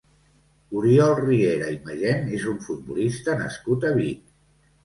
Oriol Riera i Magem és un futbolista nascut a Vic.